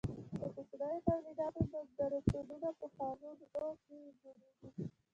د کوچنیو تولیداتو نندارتونونه په ښارونو کې جوړیږي.